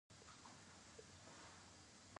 د مچیو ساتنه څومره ګټه لري؟